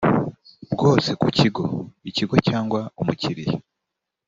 bwose ku kigo ikigo cyangwa umukiriya